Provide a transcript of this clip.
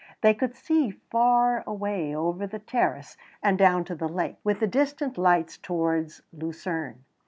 They could see far away over the terrace and down to the lake, with the distant lights towards Lucerne.